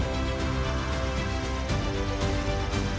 transformasi ekonomi melalui penggunaan ekonomi